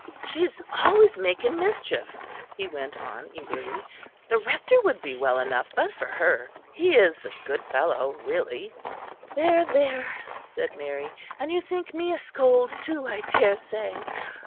"She is always making mischief," he went on eagerly. "The Rector would be well enough but for her. He is a good fellow, really." "There, there," said Mary, "and you think me a scold, too, I daresay.